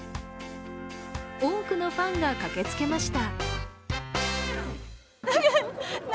多くのファンが駆けつけました。